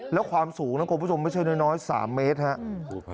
แล้วความสูงนะคุณผู้ชมไม่ใช่น้อย๓เมตรครับ